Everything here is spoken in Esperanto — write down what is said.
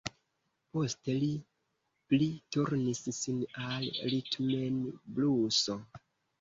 Poste li pli turnis sin al ritmenbluso.